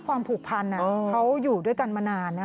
ความผูกพันเขาอยู่ด้วยกันมานานนะ